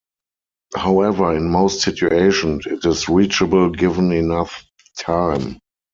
However, in most situations it is reachable given enough time.